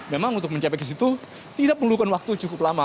memang untuk mencapai ke situ tidak perlukan waktu cukup lama